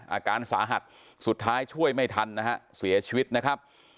อาการสาหัสสุดท้ายช่วยไม่ทันนะฮะเสียชีวิตนะครับ